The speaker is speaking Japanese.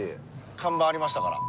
看板ありましたから。